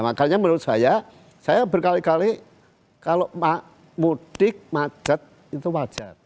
makanya menurut saya saya berkali kali kalau mudik macet itu wajar